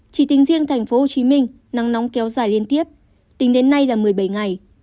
chỉ tính riêng thành phố hồ chí minh nắng nóng kéo dài liên tiếp tính đến nay là một mươi bảy ngày